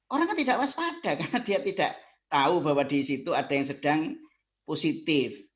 orang kan tidak waspada karena dia tidak tahu bahwa di situ ada yang sedang positif